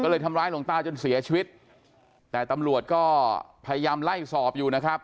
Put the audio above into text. ก็เลยทำร้ายหลวงตาจนเสียชีวิตแต่ตำรวจก็พยายามไล่สอบอยู่นะครับ